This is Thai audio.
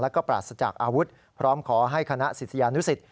แล้วก็ปราศจากอาวุธพร้อมขอให้คณะศิษยานุสิต